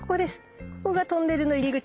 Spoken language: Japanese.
ここがトンネルの入り口。